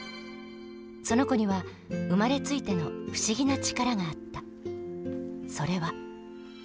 その子には生まれついての不思議な力があった。